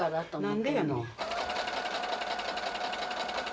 何でやのん。